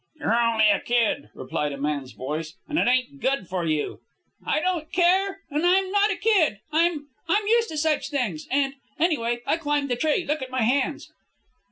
"You're only a kid," replied a man's voice, "and it ain't good for you." "I don't care, and I'm not a kid. I'm I'm used to such things. And, anyway, I climbed the tree. Look at my hands."